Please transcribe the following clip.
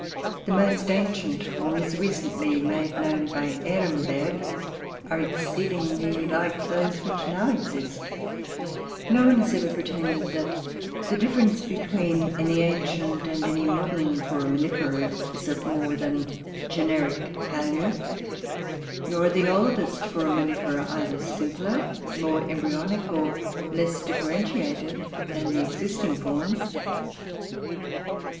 The most ancient forms recently made known by Ehrenberg are exceedingly like those which now exist: no one has ever pretended that the difference between any ancient and any modern Foraminifera is of more than generic value, nor are the oldest Foraminifera either simpler, more embryonic, or less differentiated, than the existing forms.